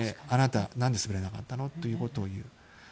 あなた、何で滑れなかったのということを言う。